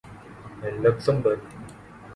Luxembourg